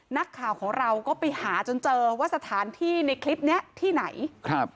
นักข่าวของเราก็ไปหาจนเจอว่าสถานที่ในคลิปเนี้ยที่ไหนครับ